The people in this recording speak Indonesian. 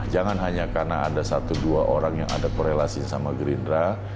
jangan hanya karena ada satu dua orang yang ada korelasi sama gerindra